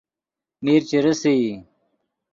میر چے ریسئی